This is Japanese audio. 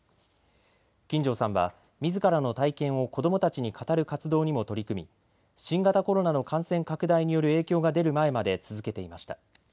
金城さんは、みずからの体験を子どもたちに語る活動にも取り組み新型コロナの感染拡大による影響が出る前まで続けていました。